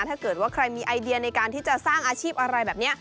ถ้าเกิดว่าใครมีไอเดียในการที่จะสร้างอาชีพอะไรแบบนี้